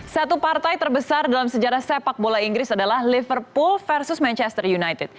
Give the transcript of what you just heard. satu partai terbesar dalam sejarah sepak bola inggris adalah liverpool versus manchester united